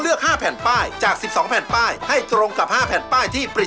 คุณต้ำหมายเลขไหนครับเพื่อหมายเลข